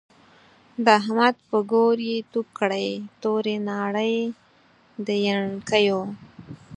د احمد په ګور يې تو کړی، توری ناړی د يڼکيو